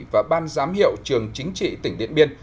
và ban giám hiệu trường chính trị tỉnh điện biên